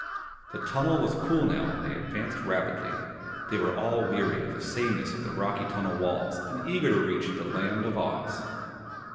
The tunnel was cool now and they advanced rapidly. They were all weary of the sameness of the rocky tunnel walls and eager to reach the Land of Oz.